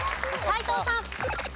斎藤さん。